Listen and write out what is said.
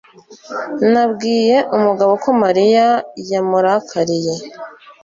Nabwiye Mugabo ko Mariya yamurakariye.